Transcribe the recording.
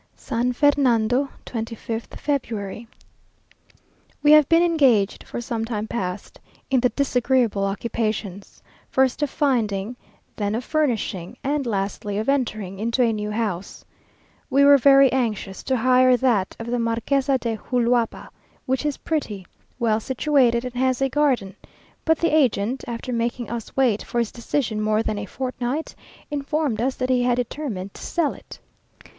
SAN FERNANDO, 25th February. We have been engaged for some time past in the disagreeable occupations, first of finding, then of furnishing, and lastly of entering into a new house. We were very anxious to hire that of the Marquesa de Juluapa, which is pretty, well situated, and has a garden; but the agent, after making us wait for his decision more than a fortnight, informed us that he had determined to sell it.